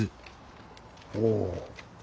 おお。